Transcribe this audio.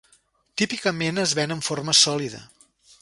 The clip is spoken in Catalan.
Típicament es ven en forma sòlida.